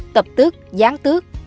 tập tước gián tước